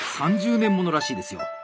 ３０年物らしいですよ。